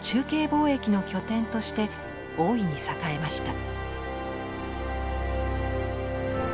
貿易の拠点として大いに栄えました。